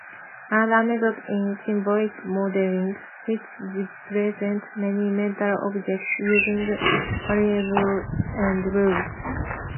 Another method is symbolic modeling, which represents many mental objects using variables and rules.